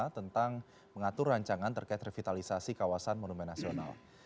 tentang mengatur rancangan terkait revitalisasi kawasan monumen nasional